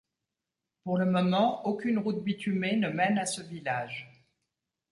Pour le moment aucune route bitumée ne mène à ce village.